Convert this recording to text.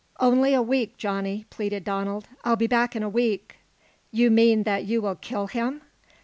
"Only a week, Johnny," pleaded Donald. "I'll be back in a week." "You mean that you will kill him?"